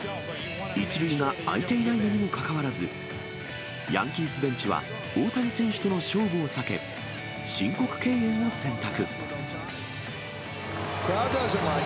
１塁が空いていないにもかかわらず、ヤンキースベンチは大谷選手との勝負を避け、申告敬遠を選択。